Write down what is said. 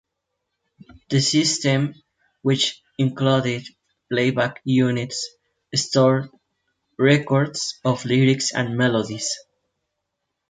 The system, which included playback units, stored records of lyrics and melodies.